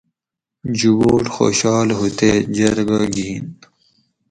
جوبوٹ خوشال ہو تے جرگہ گین